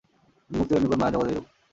জীবন্মুক্তের নিকট মায়ার জগৎ এইরূপ।